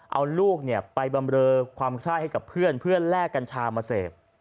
เอาลูกไปบำเรอความคล่ายให้กับเพื่อนเพื่อแลกกัญชามาเสพ